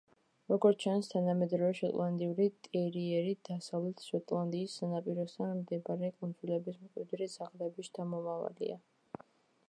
როგორც ჩანს, თანამედროვე შოტლანდიური ტერიერი დასავლეთ შოტლანდიის სანაპიროსთან მდებარე კუნძულების მკვიდრი ძაღლების შთამომავალია.